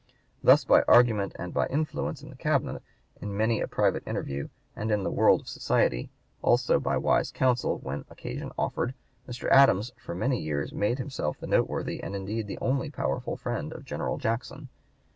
Thus by argument and by influence in the Cabinet, in many a private interview, and in the world of society, also by wise counsel when occasion offered, Mr. Adams for many years made himself the noteworthy and indeed the only powerful friend of General Jackson.